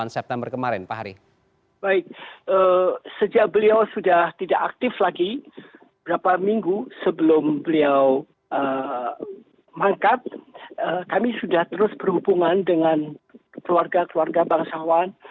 baik sejak beliau sudah tidak aktif lagi berapa minggu sebelum beliau mangkap kami sudah terus berhubungan dengan keluarga keluarga bangsawan